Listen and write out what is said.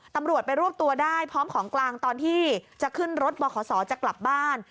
ตำรวจไปรวบตัวได้พร้อมของกลางตอนที่จะขึ้นรถบขศจะกลับบ้าน